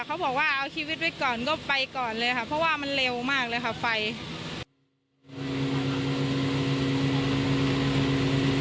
เขาบอกว่าเอาชีวิตไว้ก่อนก็ไปก่อนเลยค่ะเพราะว่ามันเร็วมากเลยค่ะไฟ